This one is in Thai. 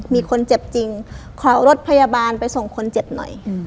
มีคนเจ็บจริงขอรถพยาบาลไปส่งคนเจ็บหน่อย